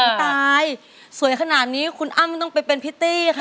ตายสวยขนาดนี้คุณอ้ำต้องไปเป็นพิตตี้ค่ะ